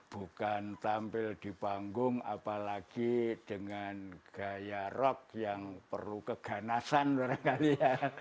bukan tampil di panggung apalagi dengan gaya rock yang perlu keganasan barangkali ya